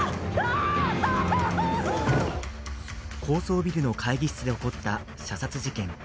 高層ビルの会議室で起こった射殺事件。